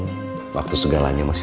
bapak beli sekolahnya gimana